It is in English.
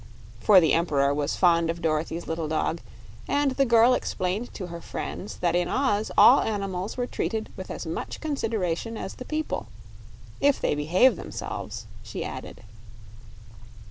For the Emperor was fond of Dorothy's little dog, and the girl explained to her friends that in Oz all animals were treated with as much consideration as the people "if they behave themselves," she added.